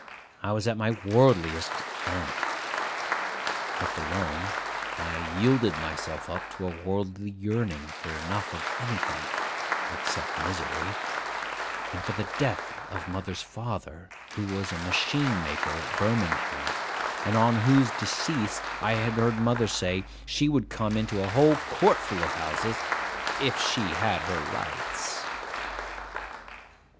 I was at my worldliest then. Left alone, I yielded myself up to a worldly yearning for enough of anything (except misery), and for the death of mother's father, who was a machine maker at Birmingham, and on whose decease, I had heard mother say, she would come into a whole courtful of houses 'if she had her rights.